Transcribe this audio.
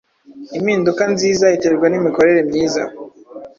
impinduka nziza.iterwa nimikorere myiza